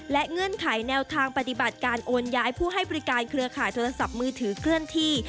และเงื่อนไขแนวทางปฏิบัติการโอนย้ายผู้ให้บริการเครือข่ายโทรศัพท์มือถือเคลื่อนที่